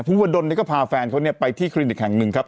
วดลก็พาแฟนเขาไปที่คลินิกแห่งหนึ่งครับ